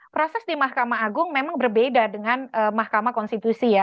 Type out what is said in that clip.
proses di mahkamah agung memang berbeda dengan mahkamah konstitusi ya